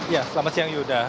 ya selamat siang yuda